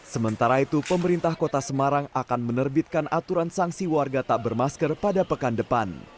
sementara itu pemerintah kota semarang akan menerbitkan aturan sanksi warga tak bermasker pada pekan depan